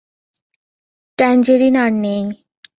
Tangerine আর নেই।